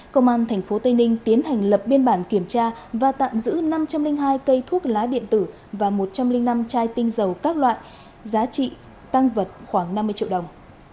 công an tp tây ninh tiến hành lập biên bản kiểm tra và tạm giữ năm trăm linh hai cây thuốc lá điện tử và một trăm linh năm chai tinh dầu các loại giá trị tăng vật khoảng năm mươi triệu đồng